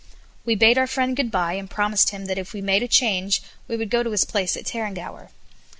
We bade our friend good bye, and promised him that if we made a change we would go to his place at Tarrangower.